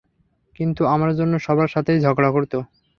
কিন্তু আমার জন্য সবার সাথেই ঝগড়া করতো।